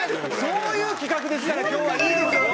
そういう企画ですから今日はいいですよ。